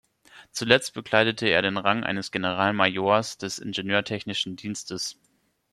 Zuletzt bekleidete er den Rang eines Generalmajors des Ingenieurtechnischen Dienstes.